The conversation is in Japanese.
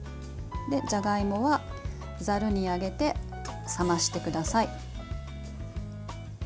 じゃがいもは、ざるに上げて冷ましてください。